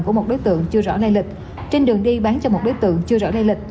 của một đối tượng chưa rõ lai lịch